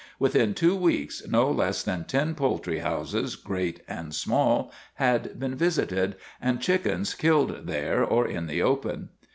Within two weeks no less than ten poultry houses, great and small, had been visited, and chickens killed there or in the open.